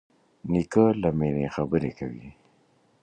نیکه له مینې خبرې کوي.